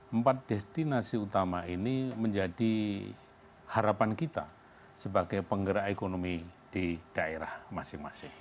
empat destinasi utama ini menjadi harapan kita sebagai penggerak ekonomi di daerah masing masing